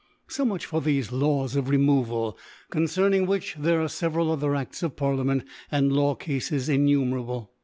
So much for thefe Laws of Removal, concerning which there are fevcral other A6ts of Parliament and Law Cafes innu merable.